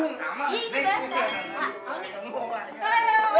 iya dibasa pak